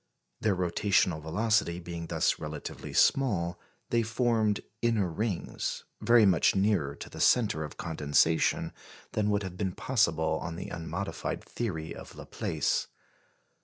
Their rotational velocity being thus relatively small, they formed "inner rings," very much nearer to the centre of condensation than would have been possible on the unmodified theory of Laplace.